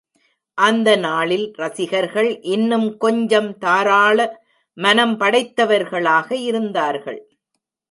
அந்த நாளில் ரசிகர்கள் இன்னும் கொஞ்சம் தாராள மனம் படைத்தவர்களாக இருந்தார்கள்.